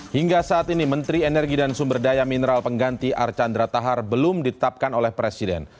hingga saat ini menteri energi dan sumber daya mineral pengganti archandra tahar belum ditetapkan oleh presiden